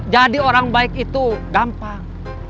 jadi orang baik itu gampang